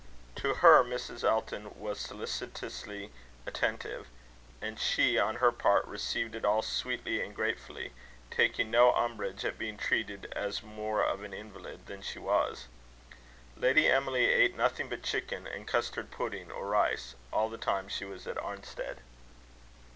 To her Mrs. Elton was solicitously attentive; and she, on her part, received it all sweetly and gratefully, taking no umbrage at being treated as more of an invalid than she was. Lady Emily ate nothing but chicken, and custard pudding or rice, all the time she was at Arnstead.